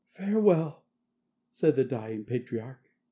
"Farewell," said the dying patriarch.